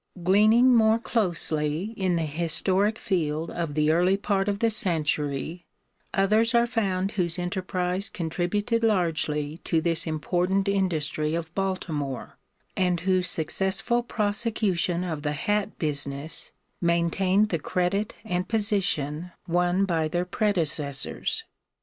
No. 7. Gleaning more closely in the historic field of the early part of the century, others are found whose enterprise contributed largely to this important industry of Baltimore, and whose successful prosecution of the hat business maintained the credit and position won by their predecessors.